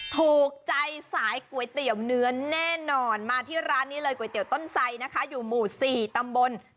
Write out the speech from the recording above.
ถูกใจสายก๋วยเตี๋ยวเนื้อแน่นอนมาที่ร้านนี้เลยก๋วยเตี๋ยต้นไซนะคะอยู่หมู่๔ตำบล